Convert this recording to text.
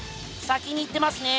先に行ってますね。